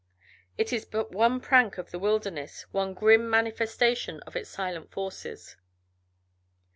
It is but one prank of the wilderness, one grim manifestation of its silent forces.